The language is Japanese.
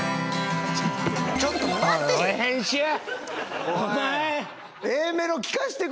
ちょっと待てぃ！！